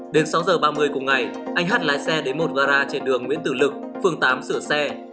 đến sáu giờ ba mươi cùng ngày anh hát lái xe đến một gara trên đường nguyễn tử lực phường tám sửa xe